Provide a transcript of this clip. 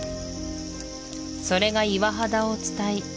それが岩肌をつたい